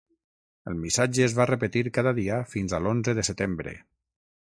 El missatge es va repetir cada dia fins a l’onze de setembre.